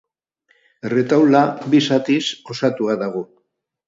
Erretaula, bi zatiz osatua dago.